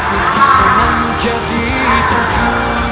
aku bisa menjadi tuju